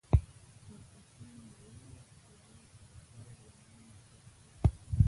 ورپسې یوولس پېړۍ تر خاورو لاندې پټ پاتې شو.